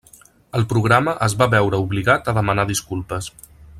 El programa es va veure obligat a demanar disculpes.